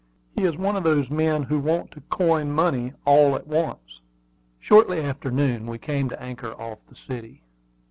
He is one of those men who want to coin money all at once." Shortly after noon we came to anchor off the city.